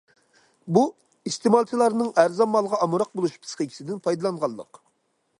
بۇ ئىستېمالچىلارنىڭ ئەرزان مالغا ئامراق بولۇش پىسخىكىسىدىن پايدىلانغانلىق.